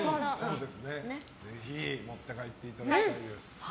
ぜひ持って帰っていただきたいです。